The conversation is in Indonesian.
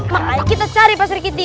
makanya kita cari pak sergiti